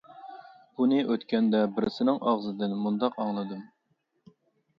بۇنى ئۆتكەندە بىرسىنىڭ ئاغزىدىن مۇنداق ئاڭلىدىم.